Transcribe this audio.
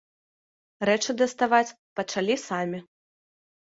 Рэчы даставаць пачалі самі.